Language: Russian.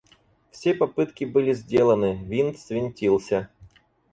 Все попытки были сделаны, винт свинтился.